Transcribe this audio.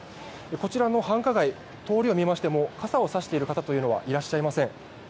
こちらの繁華街、通りを見ても傘をさしている方はいらっしゃいません。